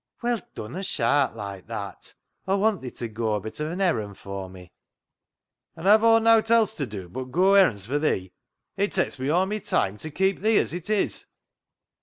" Well, dunna shaat loike that. Aw want thi to goa a bit of an errand for me." " An' hev' Aw nowt else t' do but goa errands for thi? It takes me aw my time ta keep thi as it is."